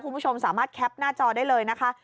คุณผู้ชมสามารถแคปหน้าจอได้เลยนะคะ